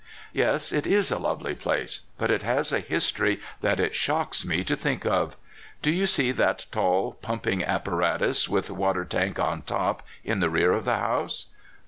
"Yes, it is a lovely place, but it has a history that it shocks me to think of. Do you see that tall pumping apparatus, with water tank on top, in the rear of the house?